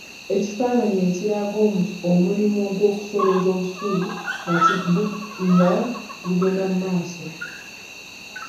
Ekifaananyi ekiraga omulimu gw’okusolooza busuulu nga gugenda mu maaso.